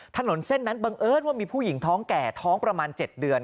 ถนนเส้นนั้นบังเอิญว่ามีผู้หญิงท้องแก่ท้องประมาณ๗เดือน